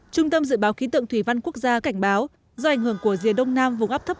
trung tâm dự báo khí tượng thủy văn quốc gia cảnh báo do ảnh hưởng của rìa đông nam vùng áp thấp